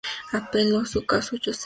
Apeló su caso a Joseph Goebbels.